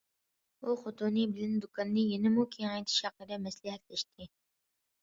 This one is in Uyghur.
ئۇ خوتۇنى بىلەن دۇكاننى يەنىمۇ كېڭەيتىش ھەققىدە مەسلىھەتلەشتى.